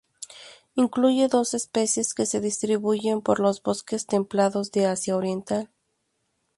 Incluye dos especies que se distribuyen por los bosques templados de Asia Oriental.